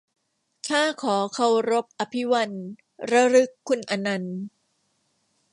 ข้าขอเคารพอภิวันท์ ระลึกคุณอนันต์